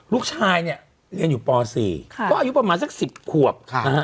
ลูกชายเนี่ยเรียนอยู่ป๔ก็อายุประมาณสัก๑๐ขวบนะฮะ